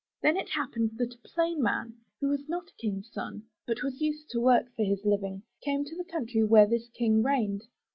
Then it happened that a plain man, who was not a King's son, but was used to work for his living, came to the country where this King reigned.